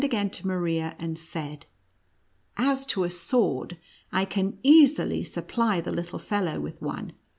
105 again to Maria, and said : "As to a sword, I can easily supply the little fellow witli one.